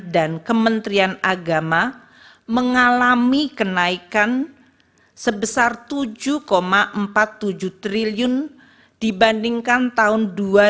dan kementerian agama mengalami kenaikan sebesar rp tujuh empat puluh tujuh triliun dibandingkan tahun dua ribu dua puluh tiga